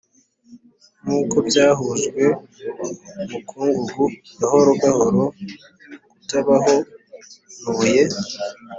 nkuko byahujwe mukungugu gahoro gahoro, kutabaho, ntuye,